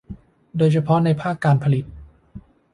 โดยเฉพาะในภาคการผลิต